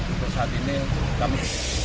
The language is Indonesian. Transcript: untuk saat ini kami